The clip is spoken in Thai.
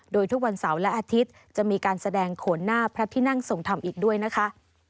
โดยทุกวันเสาร์และอาทิตย์จะมีการแสดงโขนหน้าพระที่นั่งทรงธรรมอีกด้วยนะคะ